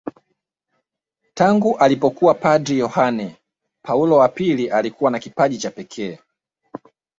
Tangu alipokuwa padri Yohane Paulo wa pili alikuwa na kipaji cha pekee